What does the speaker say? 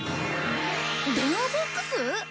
電話ボックス？